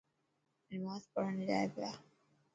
نماز پڙهڻ جائي پيا.